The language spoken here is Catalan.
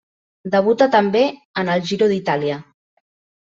Debuta també en el Giro d'Itàlia.